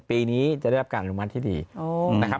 ปีนี้จะได้รับการอนุมัติที่ดีนะครับ